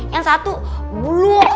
yang satu buluh